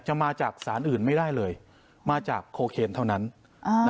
มาจากสารอื่นไม่ได้เลยมาจากโคเคนเท่านั้นอ่า